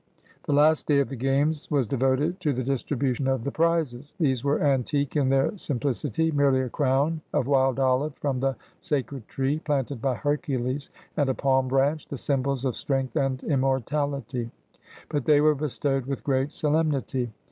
The last day of the games was devoted to the distribu tion of the prizes. These were antique in their simplic ity; merely a crown of wild olive from the sacred tree planted by Hercules and a palm branch, the symbols of strength and immortality, but they were bestowed with great solemnity.